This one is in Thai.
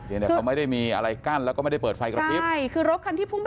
อี้เนี่ยเขาไม่ได้มีอะไรกั้นแล้วก็ไม่ได้เปิดไฟกระทิบ